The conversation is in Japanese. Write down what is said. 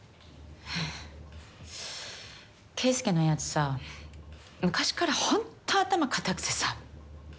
圭介のやつさ昔からホント頭固くてさ。